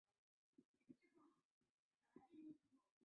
小震旦光介为半花介科震旦光介属下的一个种。